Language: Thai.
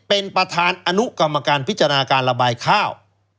เป็นประธานอนุกรรมการพิจารณาการระบายข้าว